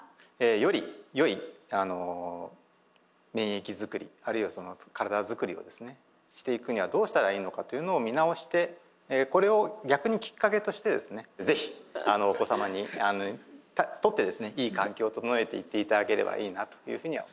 よりよい免疫作りあるいはその体作りをですねしていくにはどうしたらいいのかというのを見直してこれを逆にきっかけとしてですね是非お子様にとってですねいい環境を整えていっていただければいいなというふうには思います。